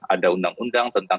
ada undang undang tentang